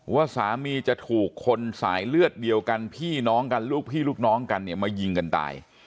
ว่าสามีจะถูกคนสายเลือดเดียวกันพี่น้องกันลูกพี่ลูกน้องกันเนี่ยมายิงกันตาย